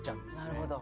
なるほど。